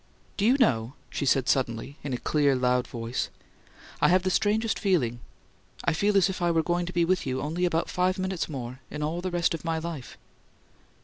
"Do you know?" she said, suddenly, in a clear, loud voice. "I have the strangest feeling. I feel as if I were going to be with you only about five minutes more in all the rest of my life!"